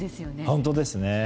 本当ですね。